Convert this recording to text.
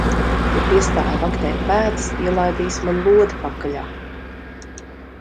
Ja piestāji vaktēt pēdas, ielaidīsi man lodi pakaļā.